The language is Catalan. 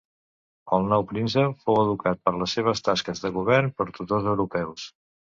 El nou príncep fou educat per les seves tasques de govern per tutors europeus.